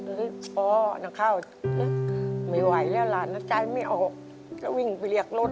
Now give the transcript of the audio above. เอ๊พ่อหน้าข้าวไม่ไหวหลานนะจ่ายไม่เอาจะวิ่งไปเรียกรถ